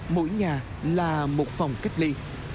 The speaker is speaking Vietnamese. mỗi nhà là một phòng cách ly